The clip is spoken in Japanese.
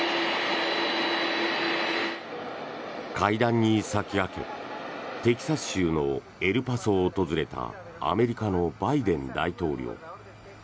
会談に先駆けテキサス州のエルパソを訪れたアメリカのバイデン大統領。